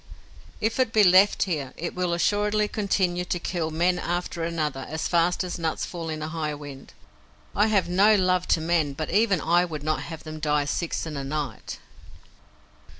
If it be left here, it will assuredly continue to kill men one after another as fast as nuts fall in a high wind. I have no love to men, but even I would not have them die six in a night."